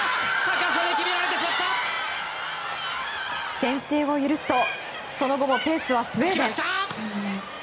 先制を許すとその後もペースはスウェーデン。